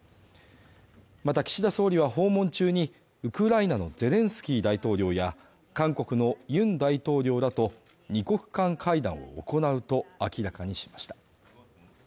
また岸田総理は訪問中にウクライナのゼレンスキー大統領や韓国のユン大統領らと二国間会談を行うと明らかにしました。